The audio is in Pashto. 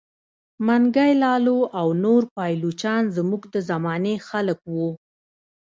منګی لالو او نور پایلوچان زموږ د زمانې خلک وه.